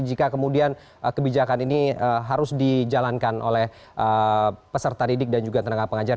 jika kemudian kebijakan ini harus dijalankan oleh peserta didik dan juga tenaga pengajar